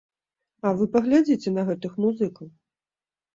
А вы паглядзіце на гэтых музыкаў!